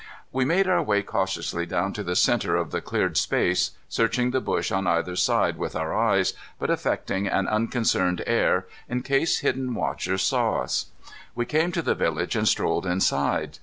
We made our way cautiously down to the center of the cleared space, searching the bush on either side with our eyes, but affecting an unconcerned air in case hidden watchers saw us. We came to the village and strolled inside.